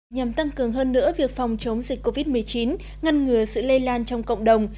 nhằm tăng cường hơn nữa việc phòng chống dịch covid một mươi chín ngăn ngừa sự lây lan trong cộng đồng